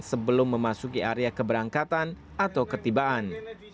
sebelum memasuki area keberangkatan atau ketibaan